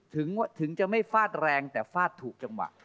ถึงจะไม่ฟาดแรงแต่ฟาดถูกจังหวะ